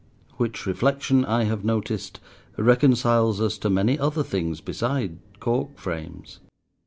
Which reflection, I have noticed, reconciles us to many other things beside cork frames.